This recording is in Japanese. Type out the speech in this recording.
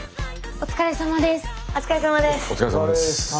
お疲れさまです。